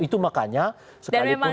itu makanya sekalipun